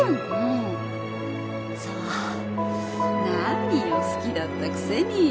何よ好きだったくせに！